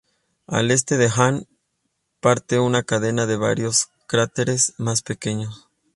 Al este de Ann parte una cadena de varios cráteres más pequeños.